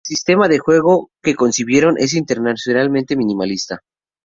El sistema de juego que concibieron es intencionadamente minimalista.